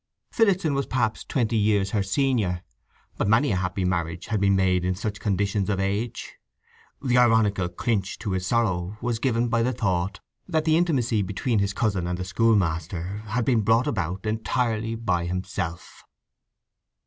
Phillotson was perhaps twenty years her senior, but many a happy marriage had been made in such conditions of age. The ironical clinch to his sorrow was given by the thought that the intimacy between his cousin and the schoolmaster had been brought about entirely by himself.